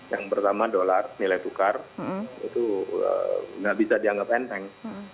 yang pertama dolar nilai tukar itu nggak bisa dianggap enteng